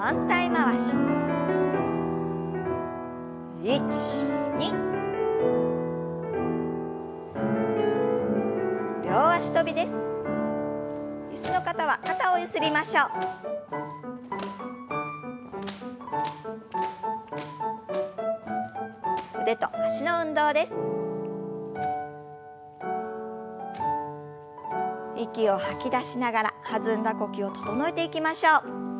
息を吐き出しながら弾んだ呼吸を整えていきましょう。